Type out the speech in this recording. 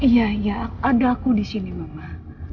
ya ya ada aku disini mama